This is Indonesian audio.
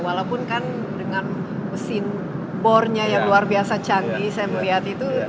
walaupun kan dengan mesin bornya yang luar biasa canggih saya melihat itu